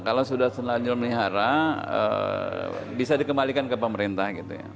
kalau sudah selanjutnya melihara bisa dikembalikan ke pemerintah